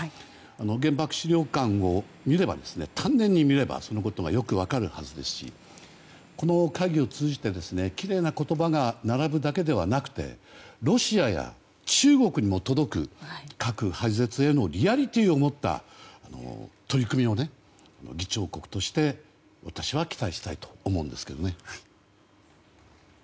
原爆資料館を丹念に見ればそのことがよく分かるはずですしこの会議を通じてきれいな言葉が並ぶだけではなくロシアや中国にも届く核廃絶へのリアリティーを持った取り組みを議長国として、私は期待したいと思うんですけどね。